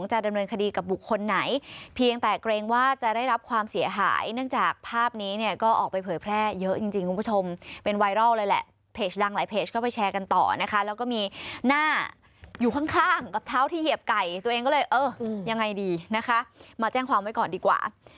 หน้าอยู่ข้างกับเท้าที่เหยียบไก่ตัวเองก็เลยเออยังไงดีนะคะมาแจ้งความไว้ก่อนดีกว่า